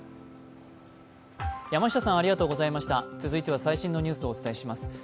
続いては最新のニュースをお伝えします。